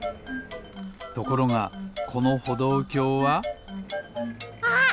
ところがこのほどうきょうはあっ！